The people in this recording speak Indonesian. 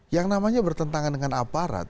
yang namanya bertentangan dengan aparat